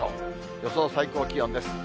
予想最高気温です。